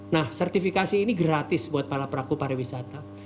nah sertifikasi ini gratis buat para pelaku pariwisata